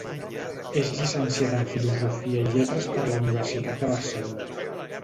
És llicenciada en Filosofia i Lletres per la Universitat de Barcelona.